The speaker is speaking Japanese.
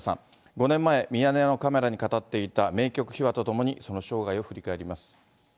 ５年前、ミヤネ屋のカメラに語っていた名曲秘話とともに、その生涯を振り返ります。